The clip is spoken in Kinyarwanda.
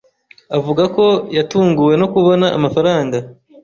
Avuga ko yatunguwe no kubona amafaranga